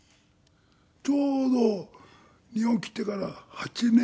ちょうど日本来てから８年８年。